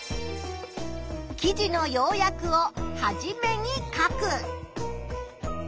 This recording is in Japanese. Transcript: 記事の要約をはじめに書く。